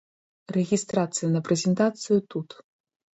Рэгістрацыя на прэзентацыю тут.